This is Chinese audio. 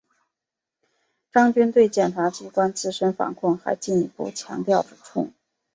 张军对检察机关自身防控还进一步强调指出